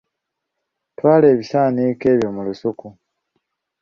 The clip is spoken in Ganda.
Twala ebisaaniiko ebyo mu lusuku.